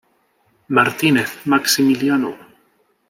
Martínez, Maximiliano.